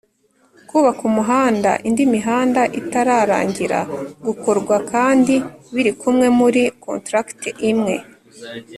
kubaka umuhanda indi mihanda itararangira gukorwa kandi biri kumwe muri contract imwe